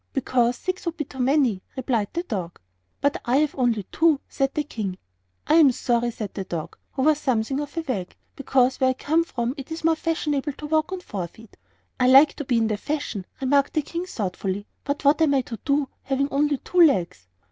"Because six would be too many," replied the dog. "But I have only two," said the King. "I am sorry," said the dog, who was something of a wag, "because where I come from it is more fashionable to walk on four feet." "I like to be in the fashion," remarked the King, thoughtfully; "but what am I to do, having only two legs?"